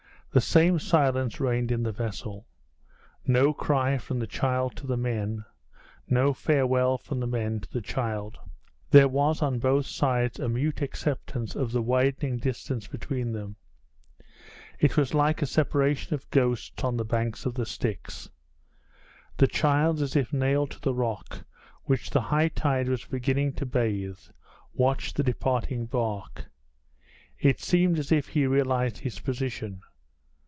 The same silence reigned in the vessel. No cry from the child to the men no farewell from the men to the child. There was on both sides a mute acceptance of the widening distance between them. It was like a separation of ghosts on the banks of the Styx. The child, as if nailed to the rock, which the high tide was beginning to bathe, watched the departing bark. It seemed as if he realized his position.